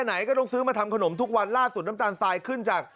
ไหนก็ต้องซื้อมาทำขนมทุกวันล่าสุดน้ำตาลทรายขึ้นจาก